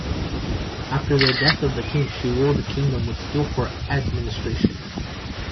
After the death of the king, she ruled the kingdom with skillful administration.